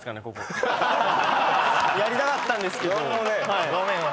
やりたかったんですけど。